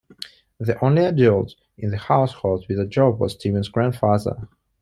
The only adult in the household with a job was Stevens's grandfather.